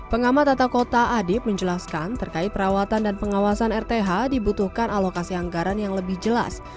pengamat tata kota adib menjelaskan terkait perawatan dan pengawasan rth dibutuhkan alokasi anggaran yang lebih jelas